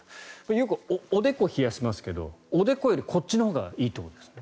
よくおでこを冷やしますけどおでこよりこっちのほうがいいということですか？